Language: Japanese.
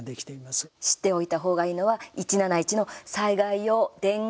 知っておいた方がいいのは１７１の災害用伝言ダイヤル。